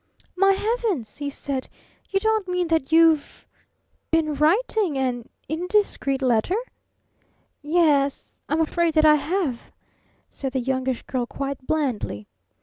"My heavens!" he said. "You don't mean that you've been writing an 'indiscreet letter'?" "Y e s I'm afraid that I have," said the Youngish Girl quite blandly.